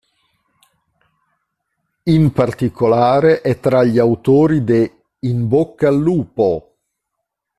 In particolare è tra gli autori de: "In bocca al lupo!